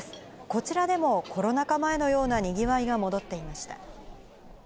こちらでも、コロナ禍前のようなにぎわいが戻っていました。